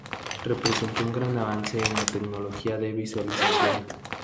Representó un gran avance en la tecnología de visualización.